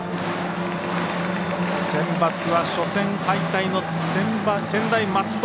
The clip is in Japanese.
センバツは初戦敗退の専大松戸。